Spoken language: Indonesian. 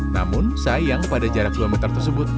namun sayang pada jarak dua meter tersebut